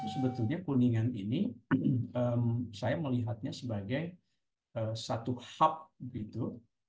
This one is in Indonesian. sebetulnya kuningan ini saya melihatnya sebagai satu hub gitu